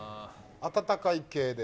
温かい系で。